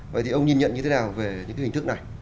vậy thì ông nhìn nhận như thế nào về những cái hình thức này